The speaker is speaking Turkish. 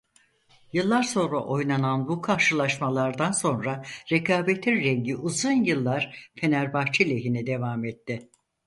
Yıllar sonra oynanan bu karşılaşmalardan sonra rekabetin rengi uzun yıllar Fenerbahçe lehine devam etti.